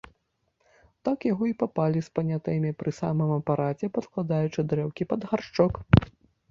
Так яго й папалі з панятымі пры самым апараце, падкладаючы дрэўкі пад гаршчок.